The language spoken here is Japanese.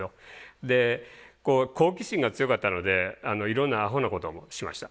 でこう好奇心が強かったのでいろんなアホなこともしました。